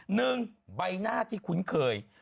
หนึ่งใบหน้าที่คุ้นเคย